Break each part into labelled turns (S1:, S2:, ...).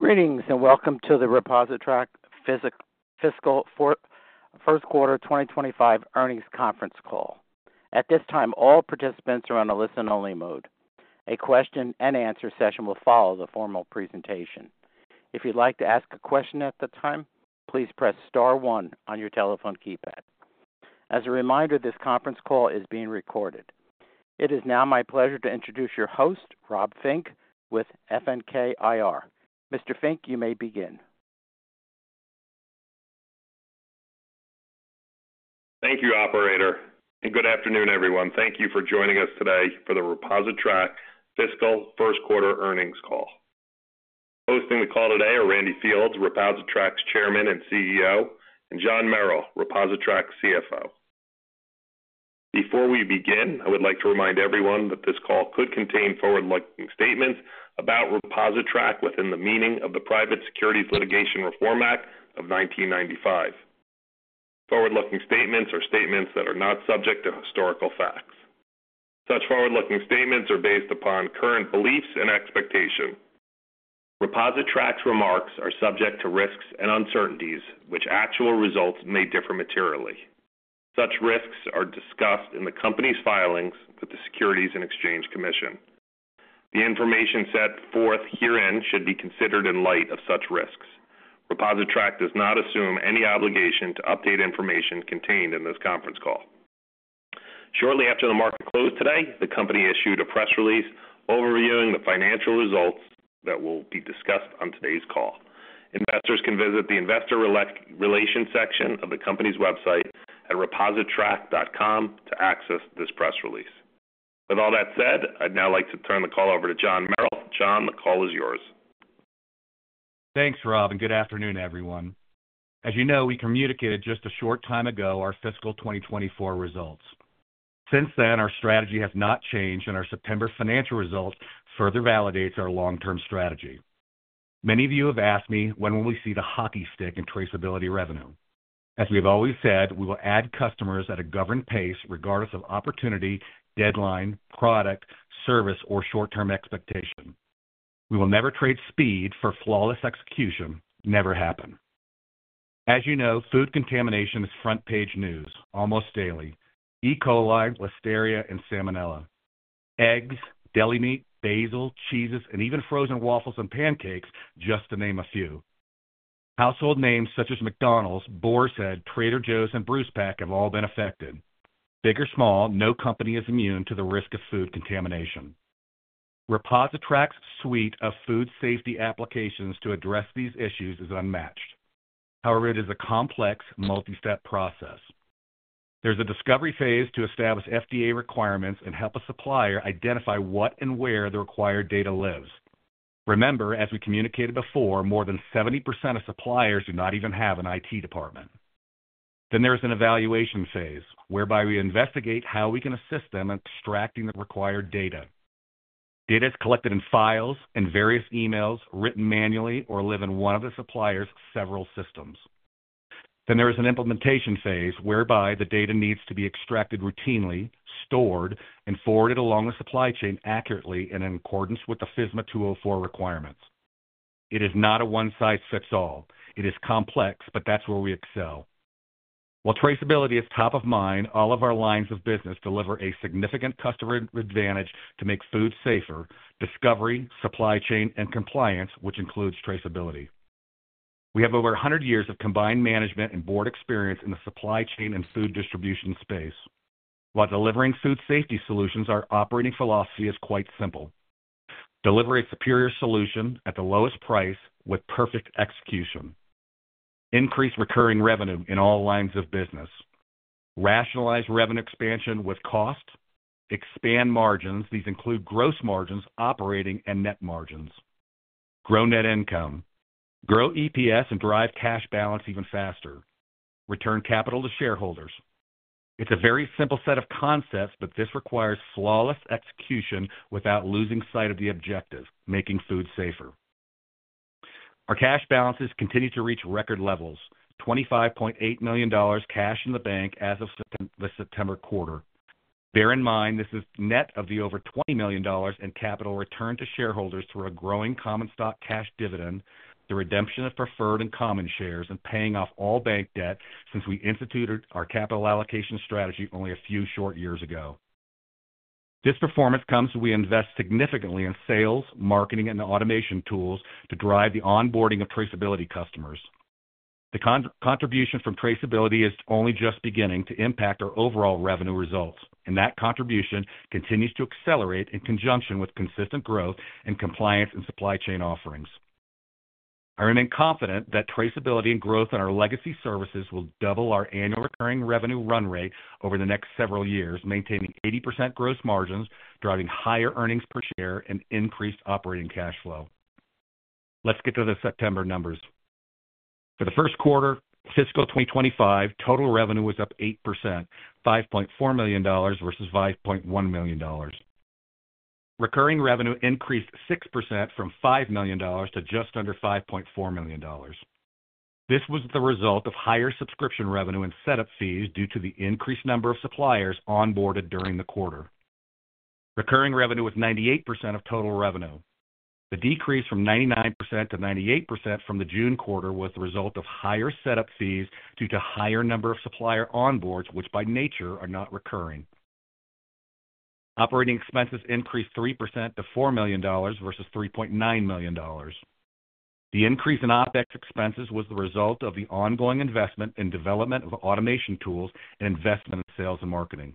S1: Greetings and welcome to the ReposiTrak Fiscal First Quarter 2025 Earnings Conference Call. At this time, all participants are on a listen-only mode. A question-and-answer session will follow the formal presentation. If you'd like to ask a question at that time, please press star one on your telephone keypad. As a reminder, this conference call is being recorded. It is now my pleasure to introduce your host, Rob Fink, with FNK IR. Mr. Fink, you may begin.
S2: Thank you, Operator. Good afternoon, everyone. Thank you for joining us today for the ReposiTrak Fiscal First Quarter Earnings Call. Hosting the call today are Randy Fields, ReposiTrak's Chairman and CEO, and John Merrill, ReposiTrak CFO. Before we begin, I would like to remind everyone that this call could contain forward-looking statements about ReposiTrak within the meaning of the Private Securities Litigation Reform Act of 1995. Forward-looking statements are statements that are not subject to historical facts. Such forward-looking statements are based upon current beliefs and expectations. ReposiTrak's remarks are subject to risks and uncertainties, which actual results may differ materially. Such risks are discussed in the company's filings with the Securities and Exchange Commission. The information set forth herein should be considered in light of such risks. ReposiTrak does not assume any obligation to update information contained in this conference call. Shortly after the market closed today, the company issued a press release overviewing the financial results that will be discussed on today's call. Investors can visit the investor relations section of the company's website at repositrak.com to access this press release. With all that said, I'd now like to turn the call over to John Merrill. John, the call is yours.
S3: Thanks, Rob, and good afternoon, everyone. As you know, we communicated just a short time ago our fiscal 2024 results. Since then, our strategy has not changed, and our September financial result further validates our long-term strategy. Many of you have asked me when we will see the hockey stick in traceability revenue. As we have always said, we will add customers at a governed pace regardless of opportunity, deadline, product, service, or short-term expectation. We will never trade speed for flawless execution. Never happen. As you know, food contamination is front-page news almost daily. E. coli, Listeria, and Salmonella. Eggs, deli meat, basil, cheeses, and even frozen waffles and pancakes, just to name a few. Household names such as McDonald's, Boar's Head, Trader Joe's, and BrucePac have all been affected. Big or small, no company is immune to the risk of food contamination. ReposiTrak's suite of food safety applications to address these issues is unmatched. However, it is a complex, multi-step process. There's a discovery phase to establish FDA requirements and help a supplier identify what and where the required data lives. Remember, as we communicated before, more than 70% of suppliers do not even have an IT department. Then there is an evaluation phase whereby we investigate how we can assist them in extracting the required data. Data is collected in files, in various emails, written manually, or live in one of the supplier's several systems. Then there is an implementation phase whereby the data needs to be extracted routinely, stored, and forwarded along the supply chain accurately and in accordance with the FSMA 204 requirements. It is not a one-size-fits-all. It is complex, but that's where we excel. While traceability is top of mind, all of our lines of business deliver a significant customer advantage to make food safer: discovery, supply chain, and compliance, which includes traceability. We have over 100 years of combined management and board experience in the supply chain and food distribution space. While delivering food safety solutions, our operating philosophy is quite simple: deliver a superior solution at the lowest price with perfect execution. Increase recurring revenue in all lines of business. Rationalize revenue expansion with cost. Expand margins. These include gross margins, operating, and net margins. Grow net income. Grow EPS and drive cash balance even faster. Return capital to shareholders. It's a very simple set of concepts, but this requires flawless execution without losing sight of the objective: making food safer. Our cash balances continue to reach record levels: $25.8 million cash in the bank as of the September quarter. Bear in mind this is net of the over $20 million in capital returned to shareholders through a growing common stock cash dividend, the redemption of preferred and common shares, and paying off all bank debt since we instituted our capital allocation strategy only a few short years ago. This performance comes as we invest significantly in sales, marketing, and automation tools to drive the onboarding of traceability customers. The contribution from traceability is only just beginning to impact our overall revenue results, and that contribution continues to accelerate in conjunction with consistent growth and compliance in supply chain offerings. I remain confident that traceability and growth in our legacy services will double our annual recurring revenue run rate over the next several years, maintaining 80% gross margins, driving higher earnings per share, and increased operating cash flow. Let's get to the September numbers. For the first quarter, fiscal 2025, total revenue was up 8%, $5.4 million versus $5.1 million. Recurring revenue increased 6% from $5 million to just under $5.4 million. This was the result of higher subscription revenue and setup fees due to the increased number of suppliers onboarded during the quarter. Recurring revenue was 98% of total revenue. The decrease from 99% to 98% from the June quarter was the result of higher setup fees due to higher number of supplier onboards, which by nature are not recurring. Operating expenses increased 3% to $4 million versus $3.9 million. The increase in OpEx expenses was the result of the ongoing investment in development of automation tools and investment in sales and marketing.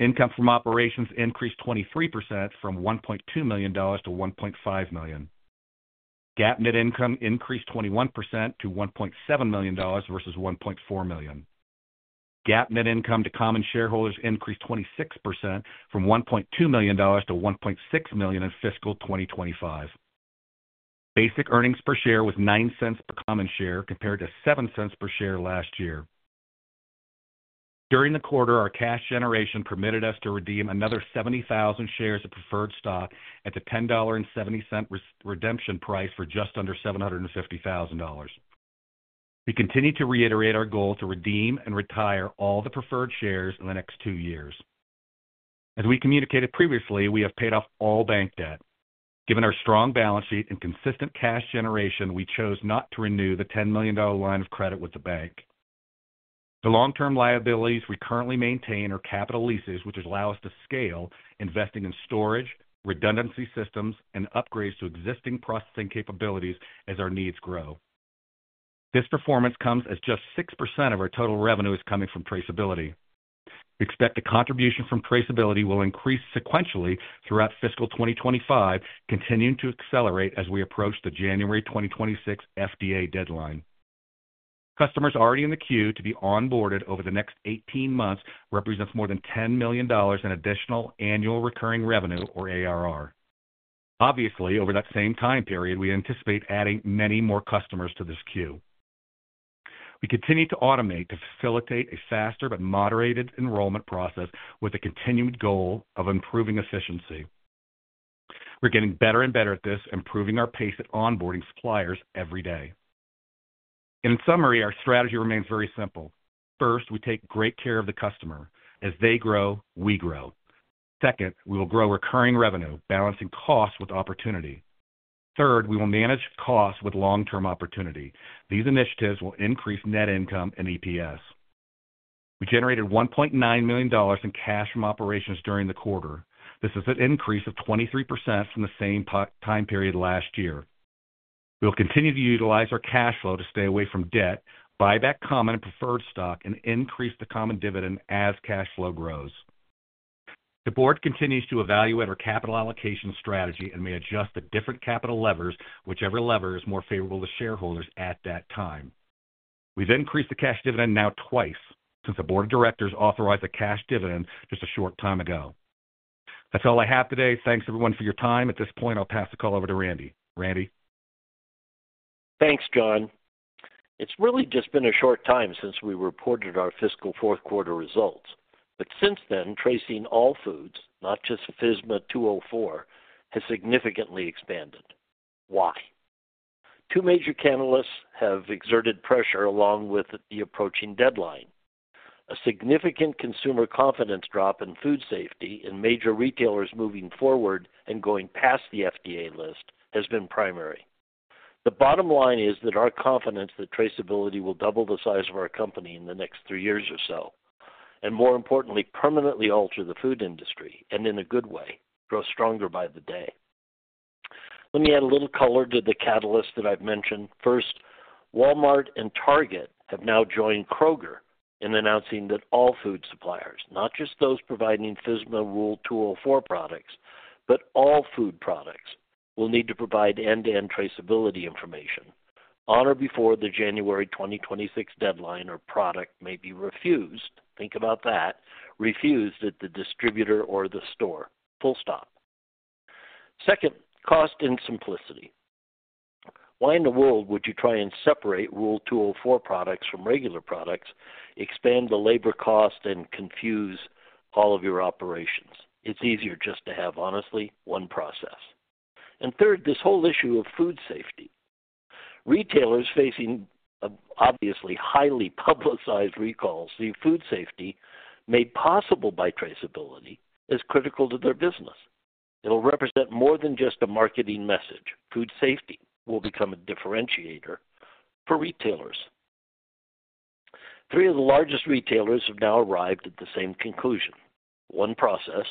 S3: Income from operations increased 23% from $1.2 million to $1.5 million. GAAP net income increased 21% to $1.7 million versus $1.4 million. GAAP net income to common shareholders increased 26% from $1.2 million to $1.6 million in fiscal 2025. Basic earnings per share was $0.09 per common share compared to $0.07 per share last year. During the quarter, our cash generation permitted us to redeem another 70,000 shares of preferred stock at the $10.70 redemption price for just under $750,000. We continue to reiterate our goal to redeem and retire all the preferred shares in the next two years. As we communicated previously, we have paid off all bank debt. Given our strong balance sheet and consistent cash generation, we chose not to renew the $10 million line of credit with the bank. The long-term liabilities we currently maintain are capital leases, which allow us to scale, investing in storage, redundancy systems, and upgrades to existing processing capabilities as our needs grow. This performance comes as just 6% of our total revenue is coming from traceability. We expect the contribution from traceability will increase sequentially throughout fiscal 2025, continuing to accelerate as we approach the January 2026 FDA deadline. Customers already in the queue to be onboarded over the next 18 months represents more than $10 million in additional annual recurring revenue, or ARR. Obviously, over that same time period, we anticipate adding many more customers to this queue. We continue to automate to facilitate a faster but moderated enrollment process with a continued goal of improving efficiency. We're getting better and better at this, improving our pace at onboarding suppliers every day. In summary, our strategy remains very simple. First, we take great care of the customer. As they grow, we grow. Second, we will grow recurring revenue, balancing costs with opportunity. Third, we will manage costs with long-term opportunity. These initiatives will increase net income and EPS. We generated $1.9 million in cash from operations during the quarter. This is an increase of 23% from the same time period last year. We will continue to utilize our cash flow to stay away from debt, buy back common and preferred stock, and increase the common dividend as cash flow grows. The board continues to evaluate our capital allocation strategy and may adjust the different capital levers, whichever lever is more favorable to shareholders at that time. We've increased the cash dividend now twice since the board of directors authorized the cash dividend just a short time ago. That's all I have today. Thanks, everyone, for your time. At this point, I'll pass the call over to Randy. Randy?
S4: Thanks, John. It's really just been a short time since we reported our fiscal fourth quarter results, but since then, tracing all foods, not just FSMA Rule 204, has significantly expanded. Why? Two major catalysts have exerted pressure along with the approaching deadline. A significant consumer confidence drop in food safety and major retailers moving forward and going past the FDA list has been primary. The bottom line is that our confidence that traceability will double the size of our company in the next three years or so, and more importantly, permanently alter the food industry, and in a good way, grow stronger by the day. Let me add a little color to the catalysts that I've mentioned. First, Walmart and Target have now joined Kroger in announcing that all food suppliers, not just those providing FSMA Rule 204 products, but all food products, will need to provide end-to-end traceability information. On or before the January 2026 deadline, our product may be refused, think about that, refused at the distributor or the store. Full stop. Second, cost and simplicity. Why in the world would you try and separate Rule 204 products from regular products, expand the labor cost, and confuse all of your operations? It's easier just to have, honestly, one process. And third, this whole issue of food safety. Retailers facing obviously highly publicized recalls, the food safety made possible by traceability, is critical to their business. It'll represent more than just a marketing message. Food safety will become a differentiator for retailers. Three of the largest retailers have now arrived at the same conclusion: one process,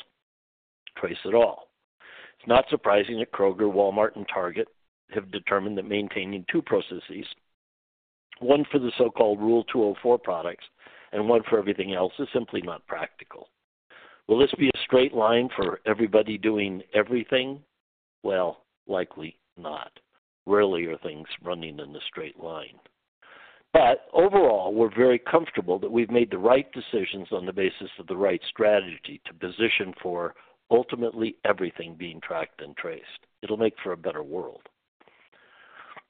S4: trace it all. It's not surprising that Kroger, Walmart, and Target have determined that maintaining two processes, one for the so-called Rule 204 products and one for everything else, is simply not practical. Will this be a straight line for everybody doing everything? Well, likely not. Rarely are things running in a straight line. But overall, we're very comfortable that we've made the right decisions on the basis of the right strategy to position for ultimately everything being tracked and traced. It'll make for a better world.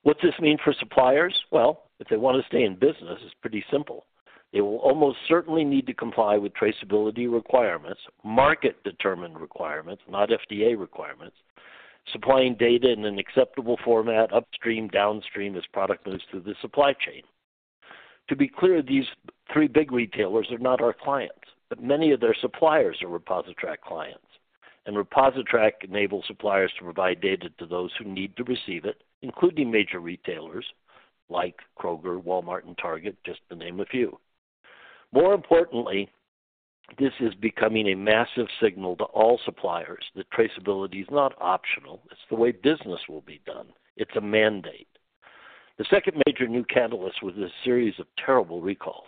S4: What's this mean for suppliers? Well, if they want to stay in business, it's pretty simple. They will almost certainly need to comply with traceability requirements, market-determined requirements, not FDA requirements, supplying data in an acceptable format upstream, downstream as product moves through the supply chain. To be clear, these three big retailers are not our clients, but many of their suppliers are ReposiTrak clients, and ReposiTrak enables suppliers to provide data to those who need to receive it, including major retailers like Kroger, Walmart, and Target, just to name a few. More importantly, this is becoming a massive signal to all suppliers that traceability is not optional. It's the way business will be done. It's a mandate. The second major new catalyst was a series of terrible recalls.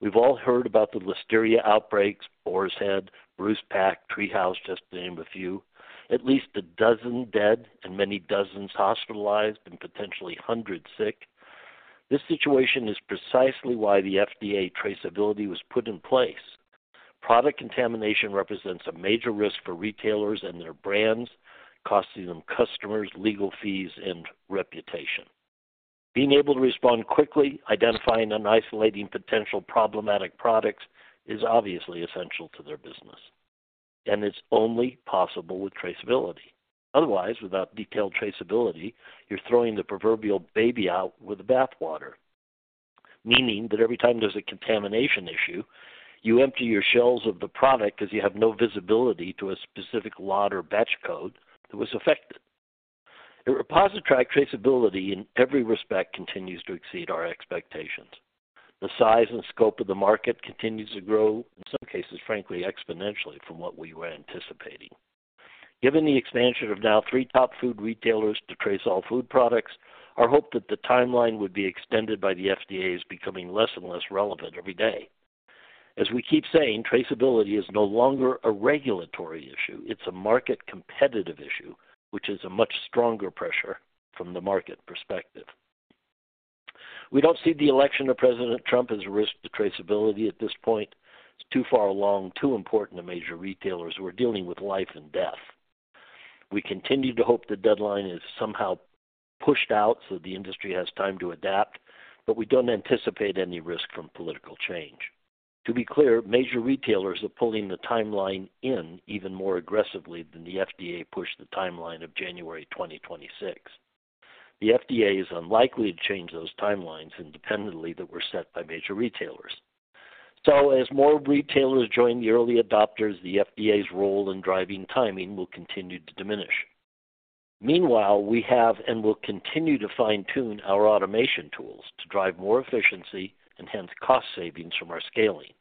S4: We've all heard about the Listeria outbreaks, Boar's Head, BrucePac, TreeHouse, just to name a few. At least a dozen dead and many dozens hospitalized and potentially hundreds sick. This situation is precisely why the FDA traceability was put in place. Product contamination represents a major risk for retailers and their brands, costing them customers, legal fees, and reputation. Being able to respond quickly, identifying and isolating potential problematic products is obviously essential to their business, and it's only possible with traceability. Otherwise, without detailed traceability, you're throwing the proverbial baby out with the bathwater, meaning that every time there's a contamination issue, you empty your shelves of the product because you have no visibility to a specific lot or batch code that was affected. At ReposiTrak, traceability in every respect continues to exceed our expectations. The size and scope of the market continues to grow, in some cases, frankly, exponentially from what we were anticipating. Given the expansion of now three top food retailers to trace all food products, our hope that the timeline would be extended by the FDA is becoming less and less relevant every day. As we keep saying, traceability is no longer a regulatory issue. It's a market competitive issue, which is a much stronger pressure from the market perspective. We don't see the election of President Trump as a risk to traceability at this point. It's too far along, too important to major retailers. We're dealing with life and death. We continue to hope the deadline is somehow pushed out so the industry has time to adapt, but we don't anticipate any risk from political change. To be clear, major retailers are pulling the timeline in even more aggressively than the FDA pushed the timeline of January 2026. The FDA is unlikely to change those timelines independently that were set by major retailers. So, as more retailers join the early adopters, the FDA's role in driving timing will continue to diminish. Meanwhile, we have and will continue to fine-tune our automation tools to drive more efficiency and hence cost savings from our scaling.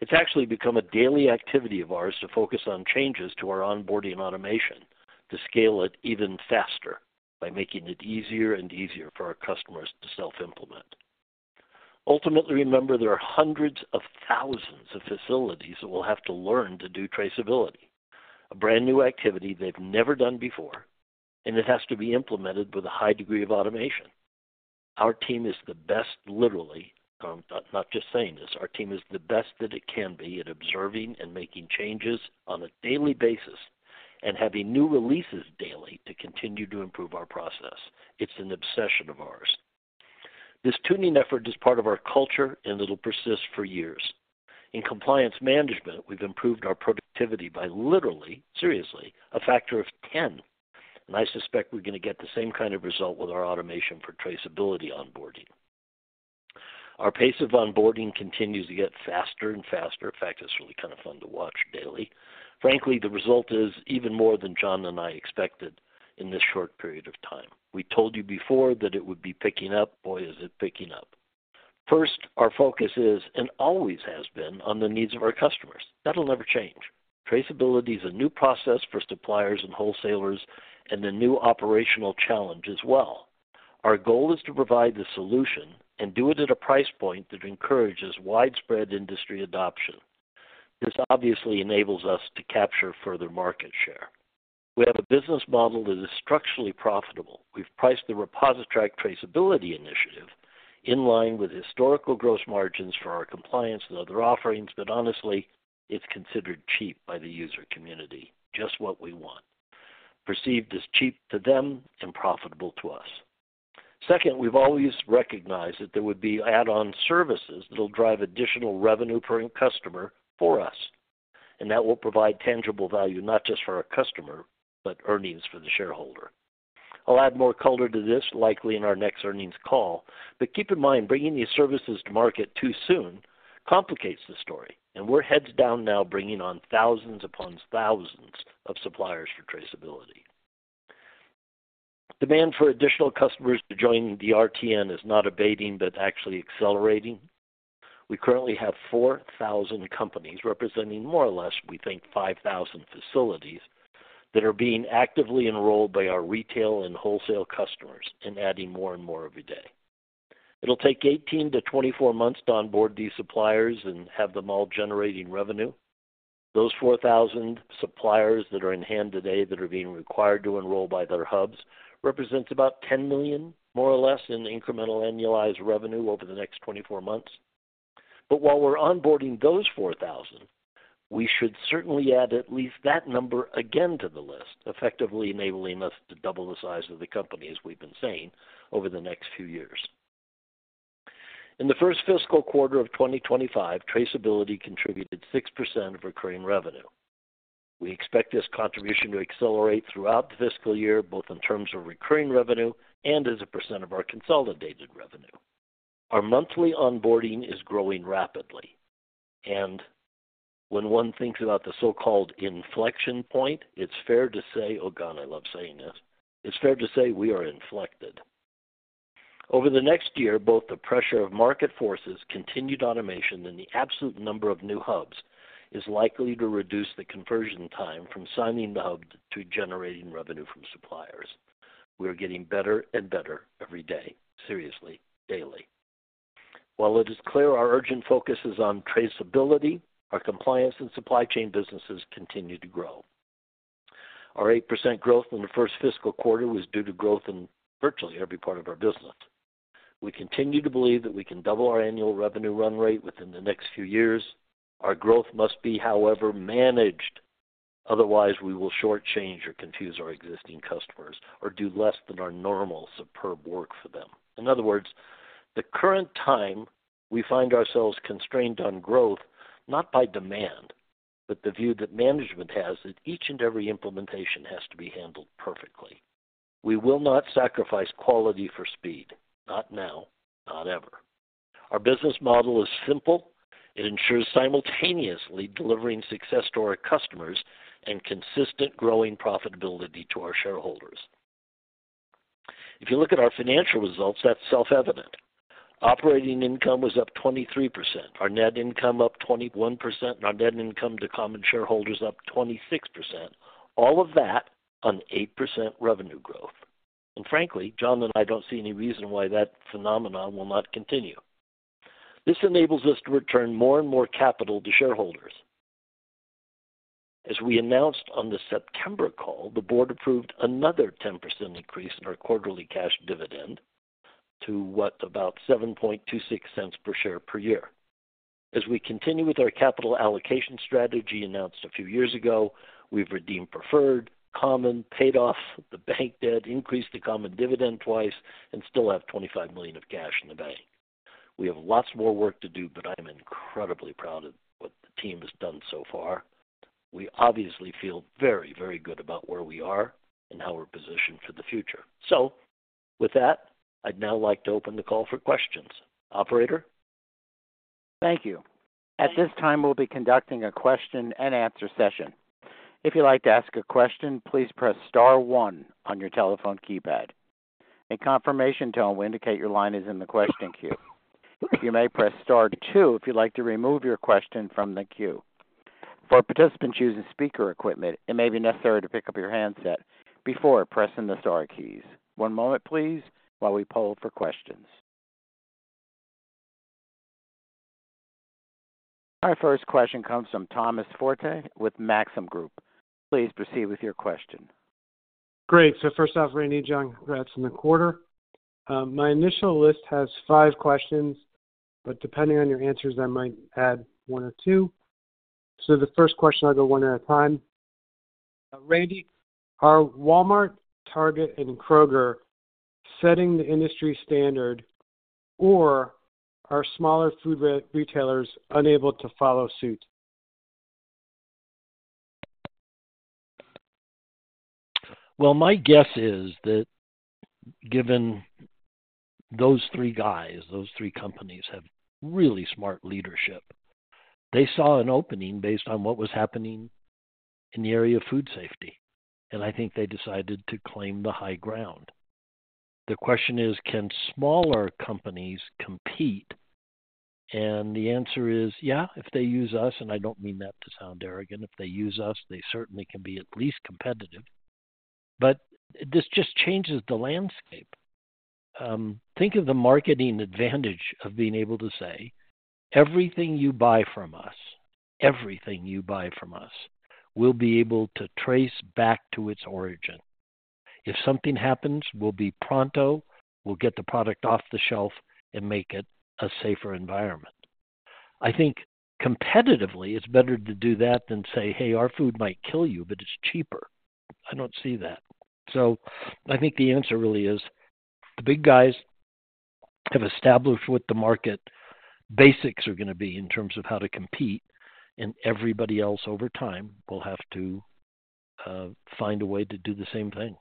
S4: It's actually become a daily activity of ours to focus on changes to our onboarding automation to scale it even faster by making it easier and easier for our customers to self-implement. Ultimately, remember, there are hundreds of thousands of facilities that will have to learn to do traceability, a brand new activity they've never done before, and it has to be implemented with a high degree of automation. Our team is the best, literally, I'm not just saying this, our team is the best that it can be at observing and making changes on a daily basis and having new releases daily to continue to improve our process. It's an obsession of ours. This tuning effort is part of our culture, and it'll persist for years. In compliance management, we've improved our productivity by literally, seriously, a factor of 10. And I suspect we're going to get the same kind of result with our automation for traceability onboarding. Our pace of onboarding continues to get faster and faster. In fact, it's really kind of fun to watch daily. Frankly, the result is even more than John and I expected in this short period of time. We told you before that it would be picking up. Boy, is it picking up. First, our focus is, and always has been, on the needs of our customers. That'll never change. Traceability is a new process for suppliers and wholesalers and a new operational challenge as well. Our goal is to provide the solution and do it at a price point that encourages widespread industry adoption. This obviously enables us to capture further market share. We have a business model that is structurally profitable. We've priced the ReposiTrak traceability initiative in line with historical gross margins for our compliance and other offerings, but honestly, it's considered cheap by the user community, just what we want, perceived as cheap to them and profitable to us. Second, we've always recognized that there would be add-on services that'll drive additional revenue per customer for us, and that will provide tangible value not just for our customer, but earnings for the shareholder. I'll add more color to this, likely in our next earnings call, but keep in mind, bringing these services to market too soon complicates the story, and we're heads down now bringing on thousands upon thousands of suppliers for traceability. Demand for additional customers to join the RTN is not abating but actually accelerating. We currently have 4,000 companies representing more or less, we think, 5,000 facilities that are being actively enrolled by our retail and wholesale customers and adding more and more every day. It'll take 18 to 24 months to onboard these suppliers and have them all generating revenue. Those 4,000 suppliers that are in hand today that are being required to enroll by their hubs represents about $10 million, more or less, in incremental annualized revenue over the next 24 months. But while we're onboarding those 4,000, we should certainly add at least that number again to the list, effectively enabling us to double the size of the company, as we've been saying, over the next few years. In the first fiscal quarter of 2025, traceability contributed 6% of recurring revenue. We expect this contribution to accelerate throughout the fiscal year, both in terms of recurring revenue and as a percent of our consolidated revenue. Our monthly onboarding is growing rapidly. And when one thinks about the so-called inflection point, it's fair to say, oh, God, I love saying this, it's fair to say we are inflected. Over the next year, both the pressure of market forces, continued automation, and the absolute number of new hubs is likely to reduce the conversion time from signing the hub to generating revenue from suppliers. We're getting better and better every day, seriously, daily. While it is clear our urgent focus is on traceability, our compliance and supply chain businesses continue to grow. Our 8% growth in the first fiscal quarter was due to growth in virtually every part of our business. We continue to believe that we can double our annual revenue run rate within the next few years. Our growth must be, however, managed. Otherwise, we will shortchange or confuse our existing customers or do less than our normal superb work for them. In other words, at the current time, we find ourselves constrained on growth, not by demand, but the view that management has that each and every implementation has to be handled perfectly. We will not sacrifice quality for speed, not now, not ever. Our business model is simple. It ensures simultaneously delivering success to our customers and consistent growing profitability to our shareholders. If you look at our financial results, that's self-evident. Operating income was up 23%, our net income up 21%, and our net income to common shareholders up 26%, all of that on 8% revenue growth. And frankly, John and I don't see any reason why that phenomenon will not continue. This enables us to return more and more capital to shareholders. As we announced on the September call, the board approved another 10% increase in our quarterly cash dividend to, what, about $0.0726 per share per year. As we continue with our capital allocation strategy announced a few years ago, we've redeemed preferred, common, paid off the bank debt, increased the common dividend twice, and still have $25 million of cash in the bank. We have lots more work to do, but I'm incredibly proud of what the team has done so far. We obviously feel very, very good about where we are and how we're positioned for the future. So with that, I'd now like to open the call for questions. Operator?
S1: Thank you. At this time, we'll be conducting a question-and-answer session. If you'd like to ask a question, please press Star 1 on your telephone keypad. A confirmation tone will indicate your line is in the question queue. You may press Star 2 if you'd like to remove your question from the queue. For participants using speaker equipment, it may be necessary to pick up your handset before pressing the Star keys. One moment, please, while we poll for questions. Our first question comes from Thomas Forte with Maxim Group. Please proceed with your question.
S5: Great. So first off, Randy, John, congrats on the quarter. My initial list has five questions, but depending on your answers, I might add one or two. So the first question, I'll go one at a time. Randy, are Walmart, Target, and Kroger setting the industry standard, or are smaller food retailers unable to follow suit?
S4: My guess is that given those three guys, those three companies have really smart leadership. They saw an opening based on what was happening in the area of food safety, and I think they decided to claim the high ground. The question is, can smaller companies compete? And the answer is, yeah, if they use us, and I don't mean that to sound arrogant. If they use us, they certainly can be at least competitive. But this just changes the landscape. Think of the marketing advantage of being able to say, "Everything you buy from us, everything you buy from us, will be able to trace back to its origin. If something happens, we'll be pronto. We'll get the product off the shelf and make it a safer environment." I think competitively, it's better to do that than say, "Hey, our food might kill you, but it's cheaper." I don't see that. So I think the answer really is the big guys have established what the market basics are going to be in terms of how to compete, and everybody else over time will have to find a way to do the same thing.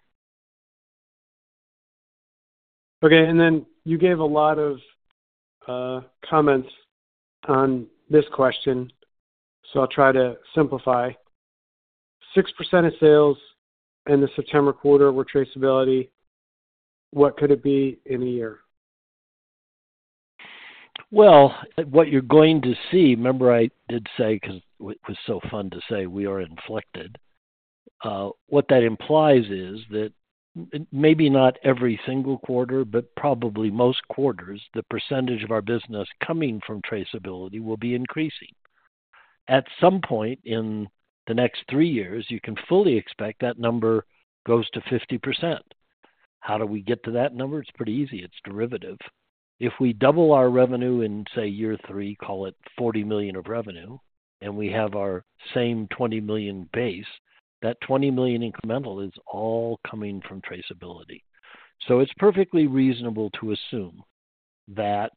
S5: Okay. And then you gave a lot of comments on this question, so I'll try to simplify. 6% of sales in the September quarter were traceability. What could it be in a year?
S4: What you're going to see, remember I did say, because it was so fun to say, "We are inflected," what that implies is that maybe not every single quarter, but probably most quarters, the percentage of our business coming from traceability will be increasing. At some point in the next three years, you can fully expect that number goes to 50%. How do we get to that number? It's pretty easy. It's derivative. If we double our revenue in, say, year three, call it $40 million of revenue, and we have our same $20 million base, that $20 million incremental is all coming from traceability. So it's perfectly reasonable to assume that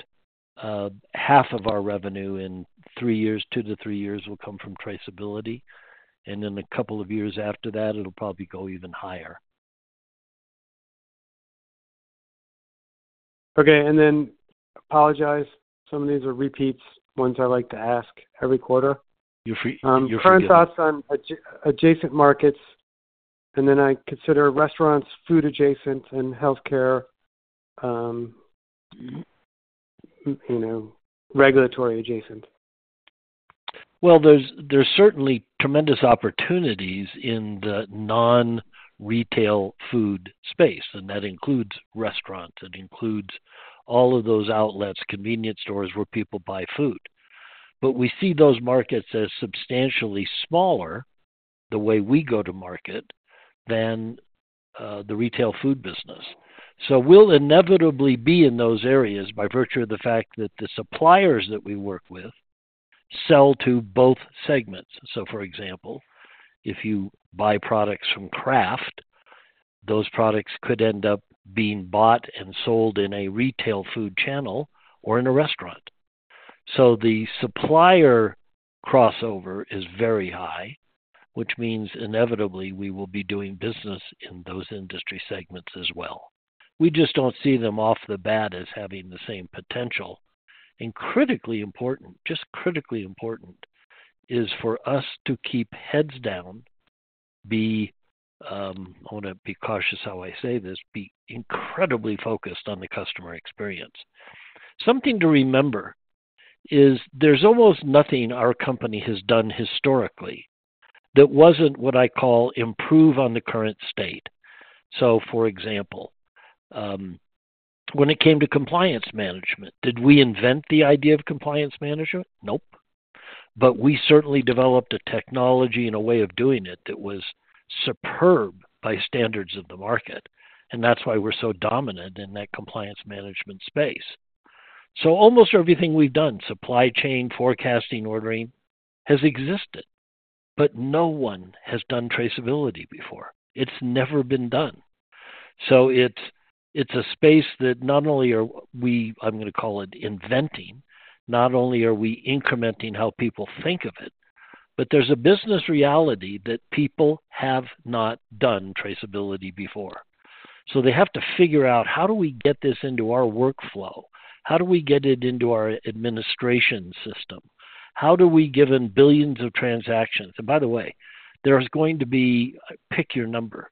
S4: half of our revenue in two to three years will come from traceability, and in a couple of years after that, it'll probably go even higher.
S5: Okay, and then I apologize. Some of these are repeats, ones I like to ask every quarter.
S4: You're free. You're free.
S5: Current thoughts on adjacent markets, and then I consider restaurants, food adjacent, and healthcare, regulatory adjacent.
S4: There's certainly tremendous opportunities in the non-retail food space, and that includes restaurants. It includes all of those outlets, convenience stores where people buy food. But we see those markets as substantially smaller the way we go to market than the retail food business. So we'll inevitably be in those areas by virtue of the fact that the suppliers that we work with sell to both segments. So for example, if you buy products from Kraft, those products could end up being bought and sold in a retail food channel or in a restaurant. So the supplier crossover is very high, which means inevitably we will be doing business in those industry segments as well. We just don't see them off the bat as having the same potential. Critically important, just critically important, is for us to keep heads down, be, I want to be cautious how I say this, be incredibly focused on the customer experience. Something to remember is there's almost nothing our company has done historically that wasn't what I call improve on the current state. For example, when it came to compliance management, did we invent the idea of compliance management? Nope, but we certainly developed a technology and a way of doing it that was superb by standards of the market, and that's why we're so dominant in that compliance management space. Almost everything we've done, supply chain, forecasting, ordering, has existed, but no one has done traceability before. It's never been done. So it's a space that not only are we- I'm going to call it inventing- not only are we incrementing how people think of it, but there's a business reality that people have not done traceability before. So they have to figure out, "How do we get this into our workflow? How do we get it into our administration system? How do we give in billions of transactions?" And by the way, there's going to be- pick your number-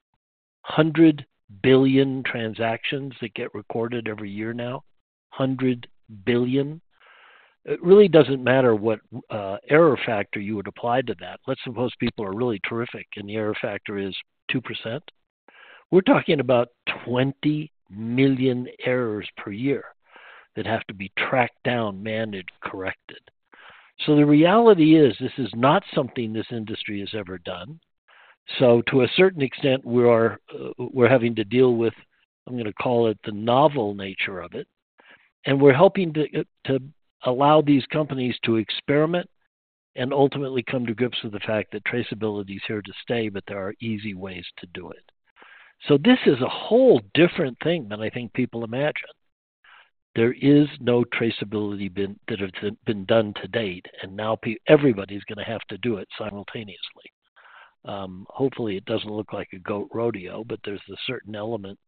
S4: 100 billion transactions that get recorded every year now, 100 billion. It really doesn't matter what error factor you would apply to that. Let's suppose people are really terrific and the error factor is 2%. We're talking about 20 million errors per year that have to be tracked down, managed, corrected. So the reality is this is not something this industry has ever done. So to a certain extent, we're having to deal with, I'm going to call it, the novel nature of it. And we're helping to allow these companies to experiment and ultimately come to grips with the fact that traceability is here to stay, but there are easy ways to do it. So this is a whole different thing than I think people imagine. There is no traceability that has been done to date, and now everybody's going to have to do it simultaneously. Hopefully, it doesn't look like a goat rodeo, but there's a certain element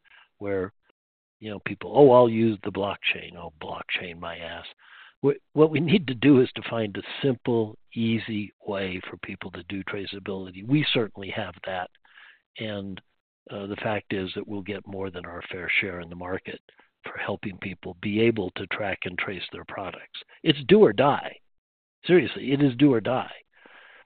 S4: where people, "Oh, I'll use the blockchain. Oh, blockchain, my ass." What we need to do is to find a simple, easy way for people to do traceability. We certainly have that, and the fact is that we'll get more than our fair share in the market for helping people be able to track and trace their products. It's do or die. Seriously, it is do or die.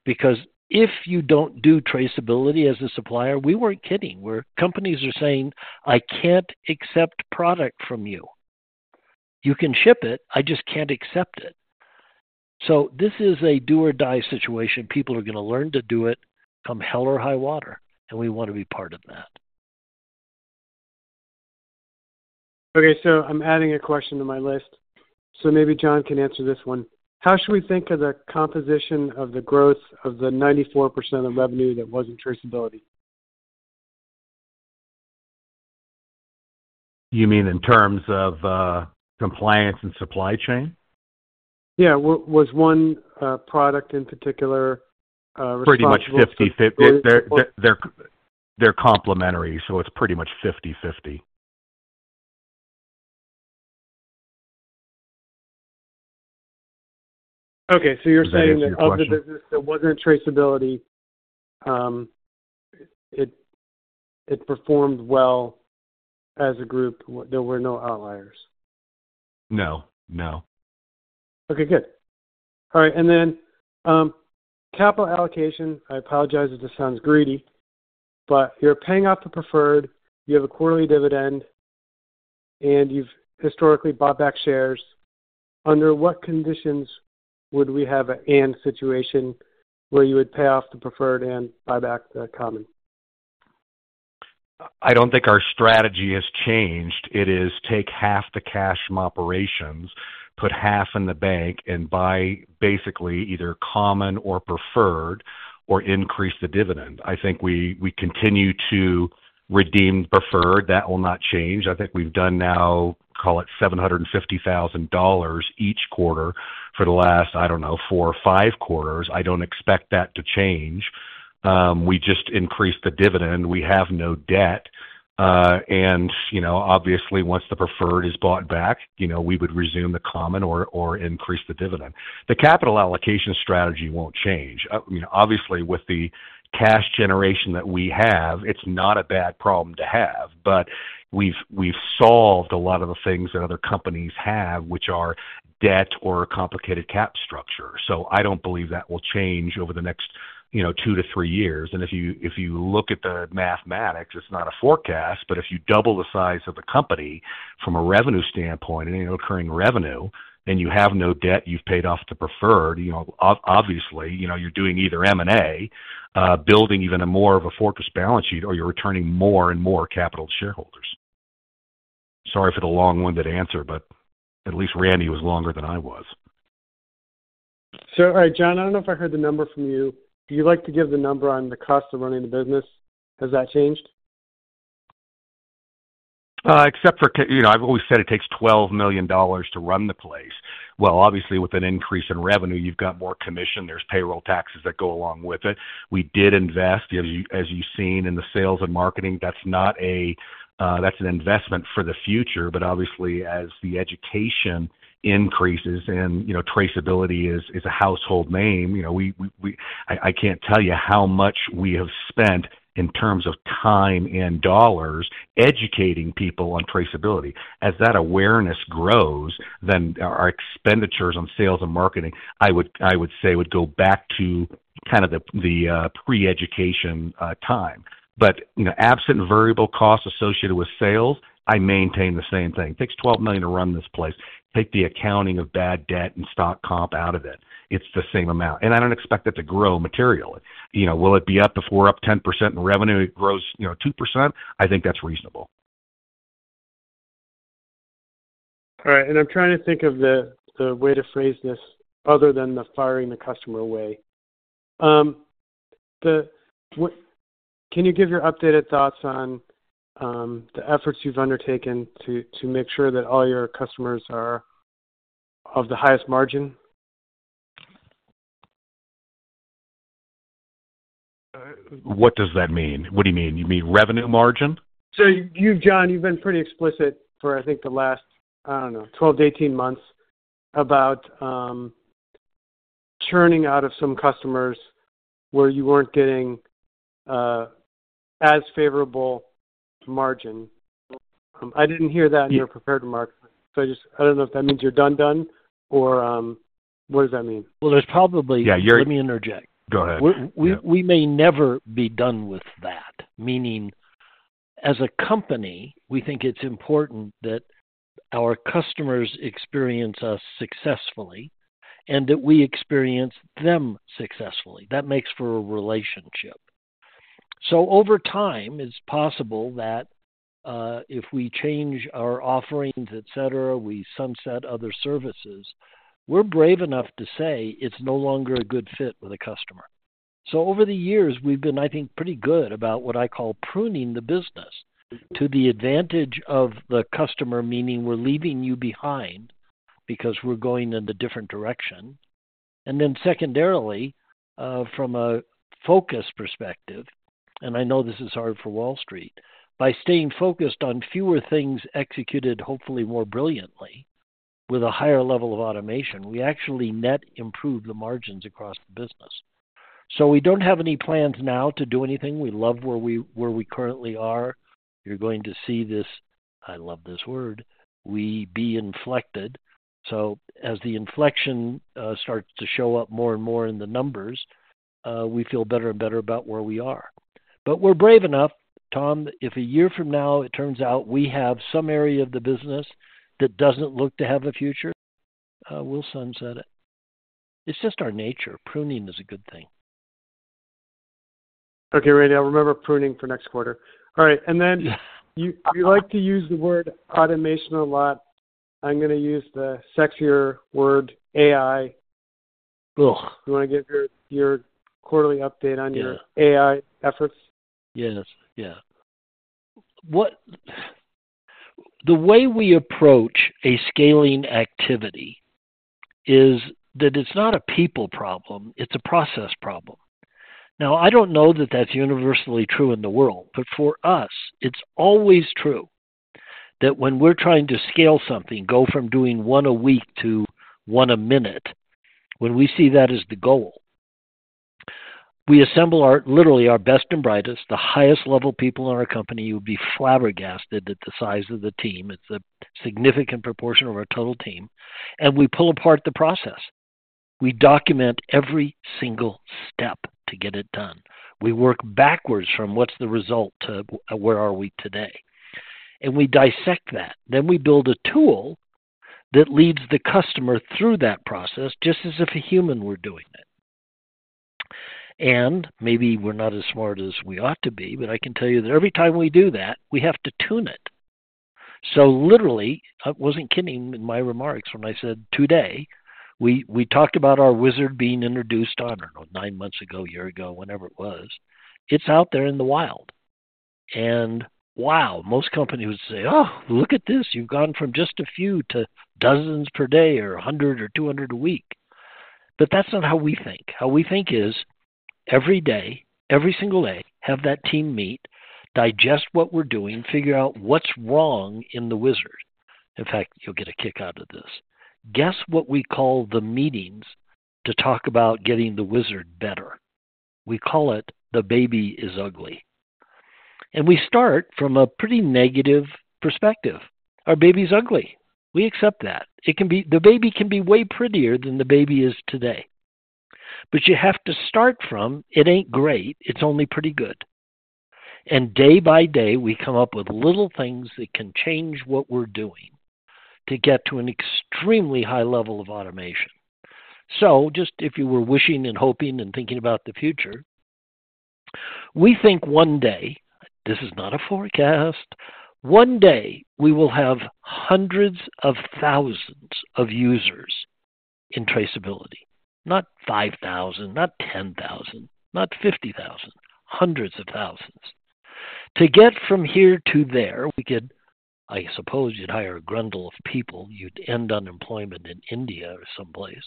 S4: Because if you don't do traceability as a supplier, we weren't kidding where companies are saying, "I can't accept product from you. You can ship it, I just can't accept it." So this is a do or die situation. People are going to learn to do it come hell or high water, and we want to be part of that.
S5: Okay. So I'm adding a question to my list. So maybe John can answer this one. How should we think of the composition of the growth of the 94% of the revenue that wasn't traceability?
S3: You mean in terms of compliance and supply chain?
S5: Yeah. Was one product in particular responsible for traceability?
S3: Pretty much 50/50. They're complementary, so it's pretty much 50/50.
S5: Okay, so you're saying that of the business that wasn't traceability, it performed well as a group. There were no outliers.
S3: No. No.
S5: Okay. Good. All right. And then capital allocation, I apologize if this sounds greedy, but you're paying off the preferred. You have a quarterly dividend, and you've historically bought back shares. Under what conditions would we have a situation where you would pay off the preferred and buy back the common?
S3: I don't think our strategy has changed. It is take half the cash from operations, put half in the bank, and buy basically either common or preferred or increase the dividend. I think we continue to redeem preferred. That will not change. I think we've done now, call it, $750,000 each quarter for the last, I don't know, four or five quarters. I don't expect that to change. We just increased the dividend. We have no debt. Obviously, once the preferred is bought back, we would resume the common or increase the dividend. The capital allocation strategy won't change. Obviously, with the cash generation that we have, it's not a bad problem to have, but we've solved a lot of the things that other companies have, which are debt or complicated cap structure. I don't believe that will change over the next two to three years. And if you look at the mathematics, it's not a forecast, but if you double the size of the company from a revenue standpoint and recurring revenue, and you have no debt, you've paid off the preferred, obviously, you're doing either M&A, building even more of a fortress balance sheet, or you're returning more and more capital to shareholders. Sorry for the long-winded answer, but at least Randy was longer than I was.
S5: All right, John, I don't know if I heard the number from you. Do you like to give the number on the cost of running the business? Has that changed?
S3: Except, I've always said it takes $12 million to run the place. Obviously, with an increase in revenue, you've got more commission. There's payroll taxes that go along with it. We did invest. As you've seen in the sales and marketing, that's an investment for the future, but obviously, as the education increases and traceability is a household name, I can't tell you how much we have spent in terms of time and dollars educating people on traceability. As that awareness grows, then our expenditures on sales and marketing, I would say, would go back to kind of the pre-education time. Absent variable costs associated with sales, I maintain the same thing. It takes $12 million to run this place. Take the accounting of bad debt and stock comp out of it. It's the same amount. I don't expect it to grow materially. Will it be up if we're up 10% in revenue? It grows 2%? I think that's reasonable.
S5: All right. And I'm trying to think of the way to phrase this other than firing the customer away. Can you give your updated thoughts on the efforts you've undertaken to make sure that all your customers are of the highest margin?
S3: What does that mean? What do you mean? You mean revenue margin?
S5: So you, John, you've been pretty explicit for, I think, the last, I don't know, 12-18 months about churning out of some customers where you weren't getting as favorable margin. I didn't hear that in your preferred market. So I don't know if that means you're done, done, or what does that mean? There's probably.
S3: Yeah. Let me interject. Go ahead.
S4: We may never be done with that. Meaning, as a company, we think it's important that our customers experience us successfully and that we experience them successfully. That makes for a relationship. So over time, it's possible that if we change our offerings, etc., we sunset other services, we're brave enough to say it's no longer a good fit with a customer. So over the years, we've been, I think, pretty good about what I call pruning the business to the advantage of the customer, meaning we're leaving you behind because we're going in a different direction. And then secondarily, from a focus perspective, and I know this is hard for Wall Street, by staying focused on fewer things executed, hopefully more brilliantly, with a higher level of automation, we actually net improve the margins across the business. So we don't have any plans now to do anything. We love where we currently are. You're going to see this - I love this word - we'll be inflected. So as the inflection starts to show up more and more in the numbers, we feel better and better about where we are. But we're brave enough, Tom, if a year from now it turns out we have some area of the business that doesn't look to have a future, we'll sunset it. It's just our nature. Pruning is a good thing.
S5: Okay. Randy, I'll remember pruning for next quarter. All right. And then you like to use the word automation a lot. I'm going to use the sexier word, AI.
S4: Ugh.
S5: You want to give your quarterly update on your AI efforts?
S4: Yes. Yeah. The way we approach a scaling activity is that it's not a people problem. It's a process problem. Now, I don't know that that's universally true in the world, but for us, it's always true that when we're trying to scale something, go from doing one a week to one a minute, when we see that as the goal, we assemble literally our best and brightest, the highest level people in our company. You would be flabbergasted at the size of the team. It's a significant proportion of our total team. And we pull apart the process. We document every single step to get it done. We work backwards from what's the result to where are we today. And we dissect that. Then we build a tool that leads the customer through that process just as if a human were doing it. Maybe we're not as smart as we ought to be, but I can tell you that every time we do that, we have to tune it. So literally, I wasn't kidding in my remarks when I said today, we talked about our wizard being introduced on, I don't know, nine months ago, year ago, whenever it was. It's out there in the wild. Wow, most companies would say, "Oh, look at this. You've gone from just a few to dozens per day or 100 or 200 a week." That's not how we think. How we think is every day, every single day, have that team meet, digest what we're doing, figure out what's wrong in the wizard. In fact, you'll get a kick out of this. Guess what we call the meetings to talk about getting the wizard better? We call it the baby is ugly. And we start from a pretty negative perspective. Our baby's ugly. We accept that. The baby can be way prettier than the baby is today. But you have to start from, "It ain't great. It's only pretty good." And day by day, we come up with little things that can change what we're doing to get to an extremely high level of automation. So just if you were wishing and hoping and thinking about the future, we think one day, this is not a forecast, one day we will have hundreds of thousands of users in traceability. Not 5,000, not 10,000, not 50,000, hundreds of thousands. To get from here to there, we could, I suppose you'd hire a grundle of people. You'd end unemployment in India or someplace.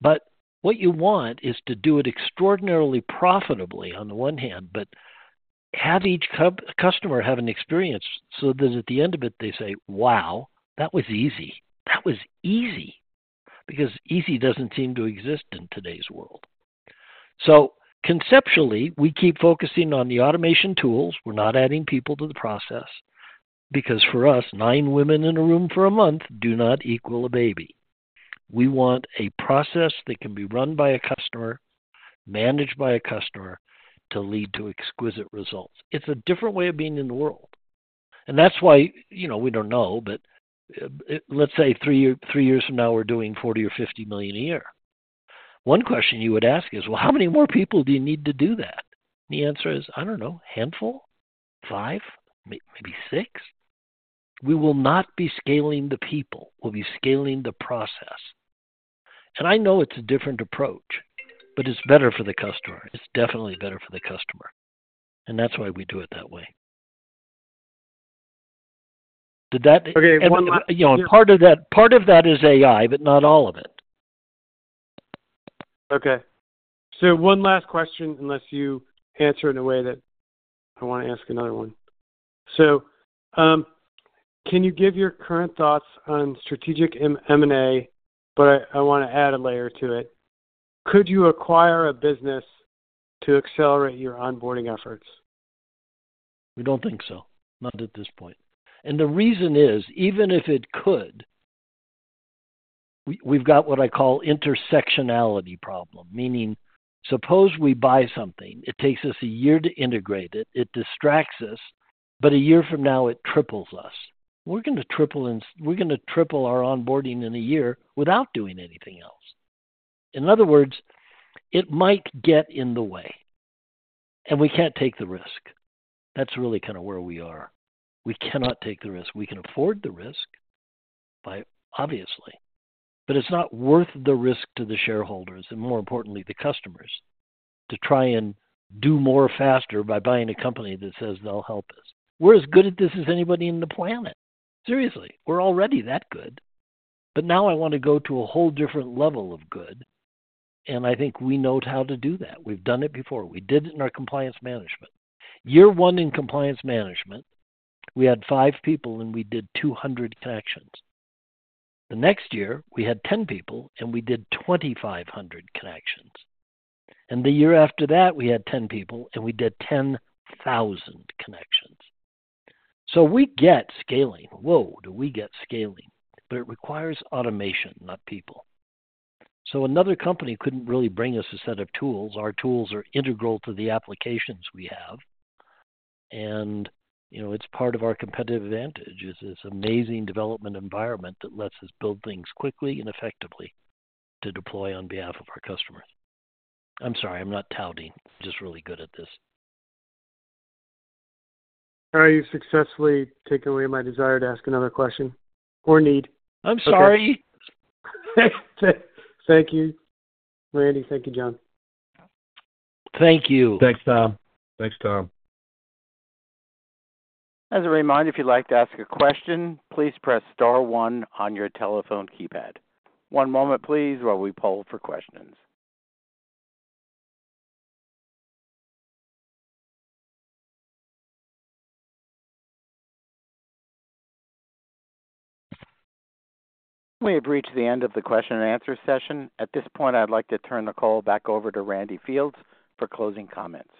S4: But what you want is to do it extraordinarily profitably on the one hand, but have each customer have an experience so that at the end of it, they say, "Wow, that was easy. That was easy." Because easy doesn't seem to exist in today's world. So conceptually, we keep focusing on the automation tools. We're not adding people to the process because for us, nine women in a room for a month do not equal a baby. We want a process that can be run by a customer, managed by a customer to lead to exquisite results. It's a different way of being in the world. And that's why we don't know, but let's say three years from now, we're doing $40 million or $50 million a year. One question you would ask is, "Well, how many more people do you need to do that?" And the answer is, "I don't know. Handful? Five? Maybe six?" We will not be scaling the people. We'll be scaling the process. And I know it's a different approach, but it's better for the customer. It's definitely better for the customer. And that's why we do it that way. Did that?
S5: Okay. One last.
S4: And part of that is AI, but not all of it.
S5: Okay. So one last question unless you answer in a way that I want to ask another one. So can you give your current thoughts on strategic M&A? But I want to add a layer to it. Could you acquire a business to accelerate your onboarding efforts?
S4: We don't think so. Not at this point. And the reason is, even if it could, we've got what I call intersectionality problem. Meaning, suppose we buy something. It takes us a year to integrate it. It distracts us. But a year from now, it triples us. We're going to triple our onboarding in a year without doing anything else. In other words, it might get in the way. And we can't take the risk. That's really kind of where we are. We cannot take the risk. We can afford the risk, obviously. But it's not worth the risk to the shareholders and, more importantly, the customers to try and do more faster by buying a company that says they'll help us. We're as good at this as anybody on the planet. Seriously. We're already that good. But now I want to go to a whole different level of good. And I think we know how to do that. We've done it before. We did it in our compliance management. Year one in compliance management, we had five people, and we did 200 connections. The next year, we had 10 people, and we did 2,500 connections. And the year after that, we had 10 people, and we did 10,000 connections. So we get scaling. Whoa, do we get scaling? But it requires automation, not people. So another company couldn't really bring us a set of tools. Our tools are integral to the applications we have. And it's part of our competitive advantage. It's this amazing development environment that lets us build things quickly and effectively to deploy on behalf of our customers. I'm sorry. I'm not touting. Just really good at this.
S5: Are you successfully taking away my desire to ask another question or need?
S4: I'm sorry.
S5: Thank you. Randy, thank you, John.
S4: Thank you.
S3: Thanks, Tom.
S1: As a reminder, if you'd like to ask a question, please press Star 1 on your telephone keypad. One moment, please, while we poll for questions. We have reached the end of the question-and-answer session. At this point, I'd like to turn the call back over to Randy Fields for closing comments.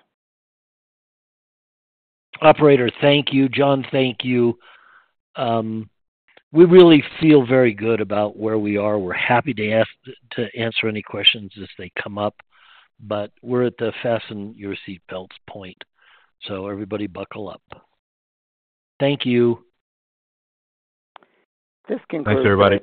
S4: Operator, thank you. John, thank you. We really feel very good about where we are. We're happy to answer any questions as they come up. But we're at the fasten your seatbelts point. So everybody buckle up. Thank you.
S1: This concludes.
S3: Thank you, everybody.